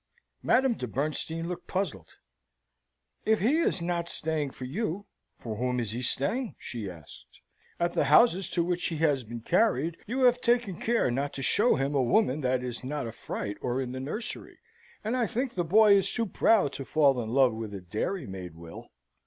Madame de Bernstein looked puzzled. "If he is not staying for you, for whom is he staying?" she asked. "At the houses to which he has been carried, you have taken care not to show him a woman that is not a fright or in the nursery; and I think the boy is too proud to fall in love with a dairymaid, Will."